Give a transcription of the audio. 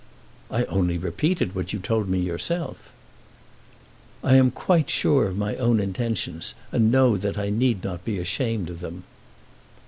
"I only repeated what you told me yourself." "I am quite sure of my own intentions, and know that I need not be ashamed of them."